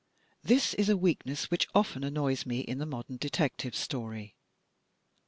This is a weakness which often annoys me in the modem detective story.